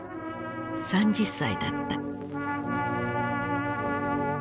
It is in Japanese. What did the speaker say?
３０歳だった。